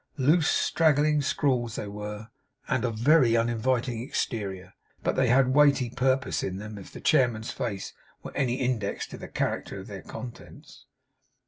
Loose straggling scrawls they were, and of very uninviting exterior; but they had weighty purpose in them, if the chairman's face were any index to the character of their contents.